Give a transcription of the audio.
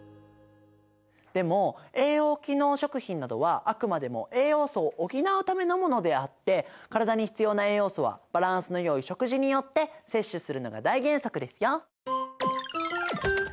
でも栄養機能食品などはあくまでも栄養素を補うためのものであってからだに必要な栄養素はバランスのよい食事によって摂取するのが大原則ですよ。